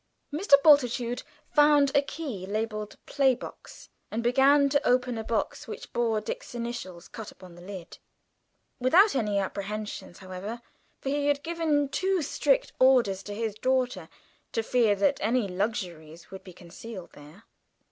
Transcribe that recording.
Mr. Bultitude found a key which was labelled "playbox," and began to open a box which bore Dick's initials cut upon the lid; without any apprehensions, however, for he had given too strict orders to his daughter, to fear that any luxuries would be concealed there.